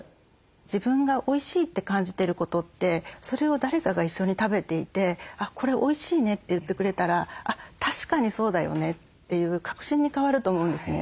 自分がおいしいって感じてることってそれを誰かが一緒に食べていて「これおいしいね」って言ってくれたら「確かにそうだよね」という確信に変わると思うんですね。